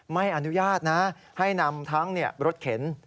ไม่อนุญาตนะให้นำทั้งรถเข็น